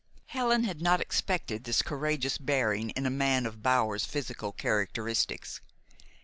Helen had not expected this courageous bearing in a man of Bower's physical characteristics.